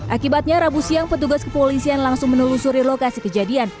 akibatnya rabu siang petugas kepolisian langsung menelusuri lokasi kejadian